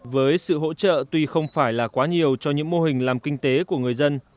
với sự hỗ trợ tuy không phải là quá nhiều cho những mô hình làm kinh tế của người dân